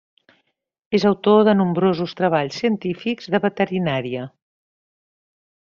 És autor de nombrosos treballs científics de veterinària.